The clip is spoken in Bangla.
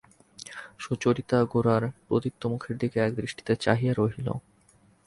সুচরিতা গোরার প্রদীপ্ত মুখের দিকে একদৃষ্টিতে চাহিয়া রহিল।